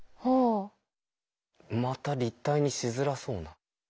また立体にしづらそうな。